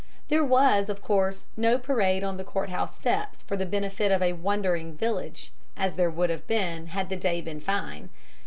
There was, of course, no parade on the courthouse steps for the benefit of a wondering village, as there would have been had the day been fine.